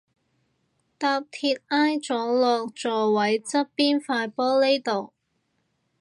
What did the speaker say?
搭鐵挨咗落座位側邊塊玻璃度